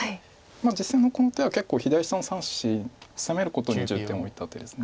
実戦のこの手は結構左下の３子攻めることに重点を置いた手です。